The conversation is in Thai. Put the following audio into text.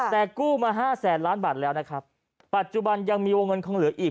แต่กู้มาห้าแสนล้านบาทแล้วนะครับปัจจุบันยังมีวงเงินคงเหลืออีก